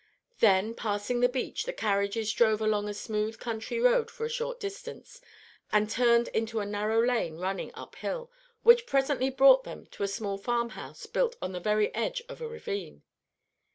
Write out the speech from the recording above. Then, passing the beach, the carriages drove along a smooth country road for a short distance, and turned into a narrow lane running up hill, which presently brought them to a small farm house built on the very edge of a ravine.